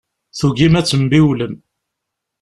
Tugim ad tembiwlem.